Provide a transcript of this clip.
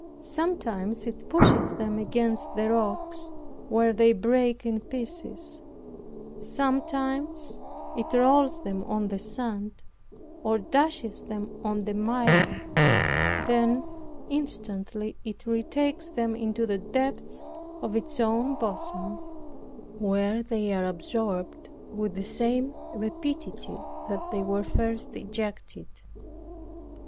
Sometimes it pushes them against the rocks where they break in pieces, sometimes it rolls them on the sand, or dashes them on the mire, then instantly it retakes them into the depths of its own bosom, where they are absorbed with the same rapidity that they were first ejected.